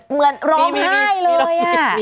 เหมือนร้องไห้เลย